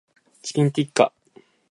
チキンティッカ